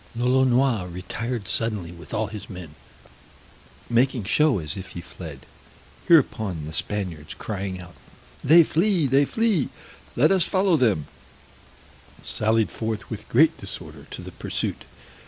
Lolonois retired suddenly with all his men, making show as if he fled; hereupon the Spaniards crying out "They flee, they flee, let us follow them," sallied forth with great disorder to the pursuit.